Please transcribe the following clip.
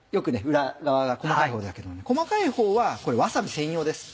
裏側が細かいほうだけども細かいほうはわさび専用です。